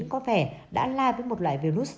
có vẻ đã la với một loại virus